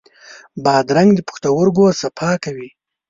بادرنګ د پښتورګو صفا کوي.